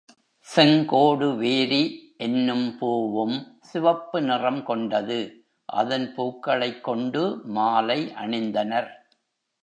செங்கோடுவேரி என்னும் பூவும் சிவப்பு நிறம் கொண்டது அதன் பூக்களைக் கொண்டு மாலை அணிந்தனர்.